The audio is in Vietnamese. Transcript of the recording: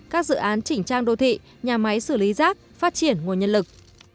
các dự án chỉnh trang đô thị nhà máy xử lý rác phát triển nguồn nhân lực